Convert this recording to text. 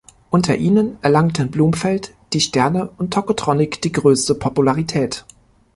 Unter ihnen erlangten Blumfeld, Die Sterne und Tocotronic die größte Popularität.